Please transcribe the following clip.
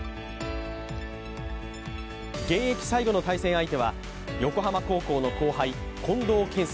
現役最後の対戦相手は横浜高校の後輩、近藤。